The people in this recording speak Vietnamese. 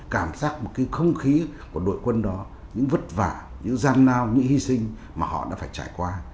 cảm giác một cái không khí của đội quân đó những vất vả những gian nao những hy sinh mà họ đã phải trải qua